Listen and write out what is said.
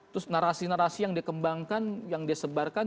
terus narasi narasi yang dikembangkan yang disebarkan